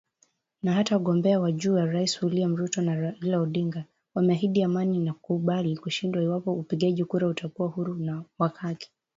Na hata wagombea wa juu wa urais William Ruto na Raila Odinga wameahidi amani na kukubali kushindwa iwapo upigaji kura utakuwa huru na wa haki